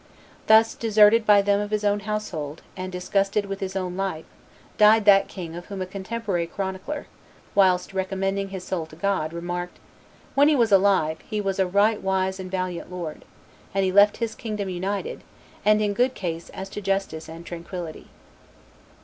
Thus, deserted by them of his own household, and disgusted with his own life, died that king of whom a contemporary chronicler, whilst recommending his soul to God, re marked, "When he was alive, he was a right wise and valiant lord, and he left his kingdom united, and in good case as to justice and tranquillity."